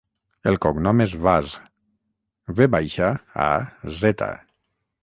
El cognom és Vaz: ve baixa, a, zeta.